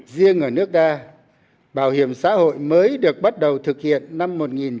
riêng ở nước đa bảo hiểm xã hội mới được bắt đầu thực hiện năm một nghìn chín trăm sáu mươi một